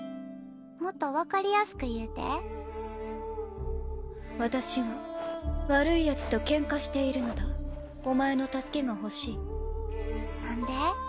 もっと分かりやすく言うて私は悪いヤツとケンカしているのだお前の助けが欲しいなんで？